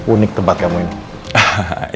unik tempat kamu ini